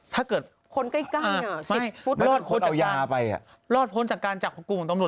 เป็นลมใช่คือหมาไม่น่าสงสัยถ้าเกิดไม่รอดพ้นจากการรอดพ้นจากการจับผู้กลุ่มของตำหนด